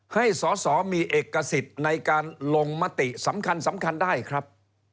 ให้สอสอมีเอกสิทธิ์ในการลงมติสำคัญสำคัญได้ครับ